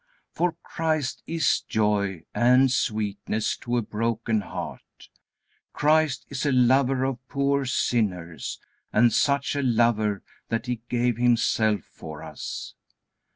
For Christ is Joy and Sweetness to a broken heart. Christ is a Lover of poor sinners, and such a Lover that He gave Himself for us.